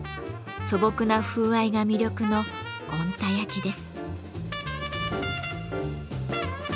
素朴な風合いが魅力の小鹿田焼です。